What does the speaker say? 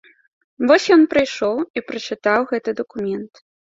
Вось ён прыйшоў і прачытаў гэты дакумент.